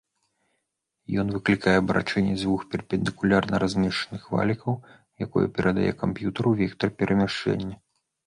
Ён выклікае абарачэнне дзвюх перпендыкулярна размешчаных валікаў, якое перадае камп'ютару вектар перамяшчэння.